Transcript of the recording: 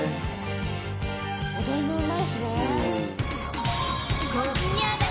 踊りもうまいしね。